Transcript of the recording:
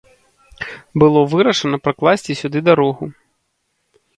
Было вырашана пракласці сюды дарогу.